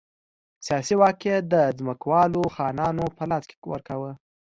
سیاسي واک یې د ځمکوالو خانانو په لاس کې ورکاوه.